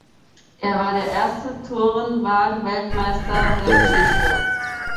Er war der erste Tourenwagen-Weltmeister der Geschichte.